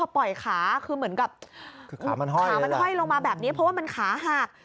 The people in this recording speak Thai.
ปล่อยขาคือเหมือนกับขามันห้อยลงมาแบบนี้เพราะว่ามันขาหัก